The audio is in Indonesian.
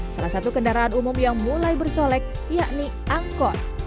salah satu kendaraan umum yang mulai bersolek yakni angkot